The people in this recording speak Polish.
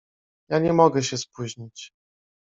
"Ja nie mogę się spóźnić."